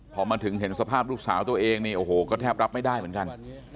พอมาถึงเห็นสภาพลูกสาวตัวเองนี่โอ้โหก็แทบรับไม่ได้เหมือนกัน